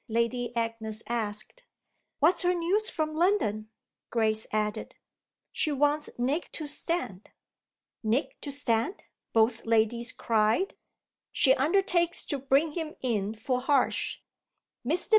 Lady Agnes asked. "What's her news from London?" Grace added. "She wants Nick to stand." "Nick to stand?" both ladies cried. "She undertakes to bring him in for Harsh. Mr.